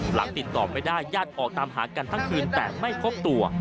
หลังติดต่อไม่ได้ญาติออกตามหากันทั้งคืนแต่ไม่พบตัว